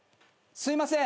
すいません。